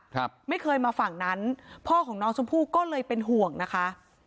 ครับไม่เคยมาฝั่งนั้นพ่อของน้องชมพู่ก็เลยเป็นห่วงนะคะ